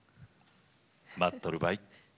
待っとるばい。